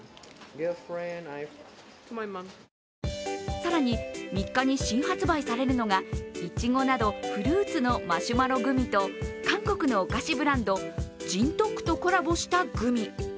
更に、３日に新発売されるのがいちごなどフルーツのマシュマログミと韓国のお菓子ブランド、ジントックとコラボしたグミ。